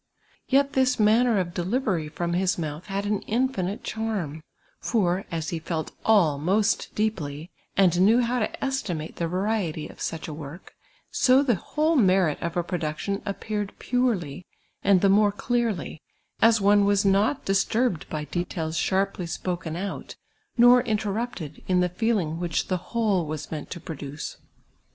Yet this manner of delivery from his mouth had an infinite charm ; for, as he felt all most dee])ly, and knew how to estimate the variety of such a work, so the whole merit of a production api)eared purely and the more clearly, as one was not distiubed by details shai ply spoken out, nor interrupted in the feeling which the whole Mas meant to produce.